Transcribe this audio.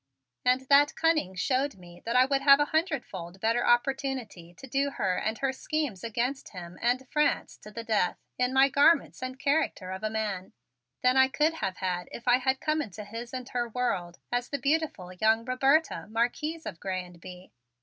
And that cunning showed me that I would have a hundredfold better opportunity to do her and her schemes against him and against France to the death in my garments and character of a man, than I could have had if I had come into his and her world as the beautiful young Roberta, Marquise of Grez and Bye.